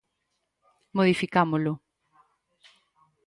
Modificámolo.